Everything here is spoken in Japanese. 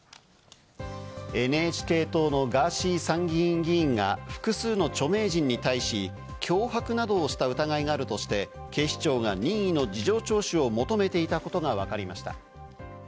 ＮＨＫ党のガーシー参議院議員が複数の著名人に対し、脅迫などをした疑いがあるとして警視庁が任意の事情聴取を求めていたことがわかりました。